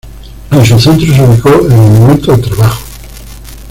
En su centro se ubicó el Monumento al Trabajo.